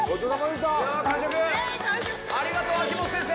ありがとう秋元先生。